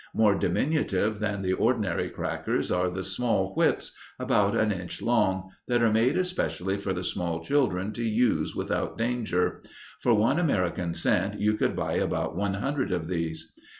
More diminutive than the ordinary crackers are the "small whips," about an inch long, that are made especially for the small children to use without danger. For one American cent you could buy about one hundred of these.